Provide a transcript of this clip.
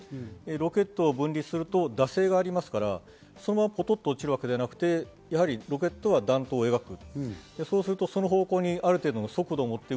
ロケットを分離すると惰性があるので、そのままコトッと落ちるわけではなくて、ロケットは弾道を描く。